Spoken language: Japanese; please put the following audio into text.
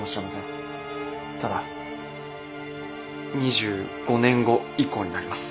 ただ２５年後以降になります。